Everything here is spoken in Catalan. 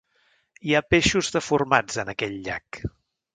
Hi ha peixos deformats en aquell llac.